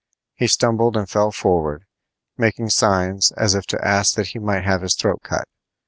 He stumbled and fell forward, making signs as if to ask that he might have his throat cut.